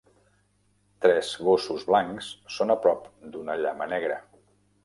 Tres gossos blancs són a prop d'una llama negra.